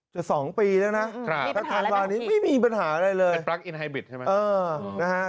จะ๒ปีแล้วนะทันทานวานนี้ไม่มีปัญหาอะไรเลยใช่ไหมเออใช้ปลั๊กอินไฮบริต